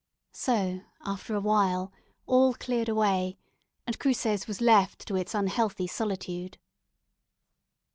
So after awhile all cleared away, and Cruces was left to its unhealthy solitude.